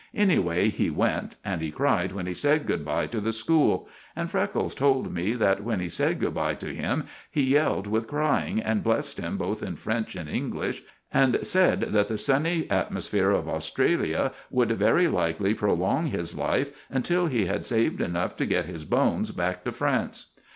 Anyway, he went, and he cried when he said good bye to the school; and Freckles told me that when he said good bye to him he yelled with crying, and blessed him both in French and English, and said that the sunny atmosphere of Australia would very likely prolong his life until he had saved enough to get his bones back to France.